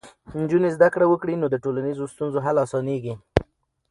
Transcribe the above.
نجونې زده کړه وکړي، نو د ټولنیزو ستونزو حل اسانېږي.